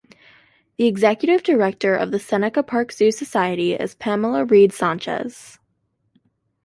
The executive director of the Seneca Park Zoo Society is Pamela Reed Sanchez.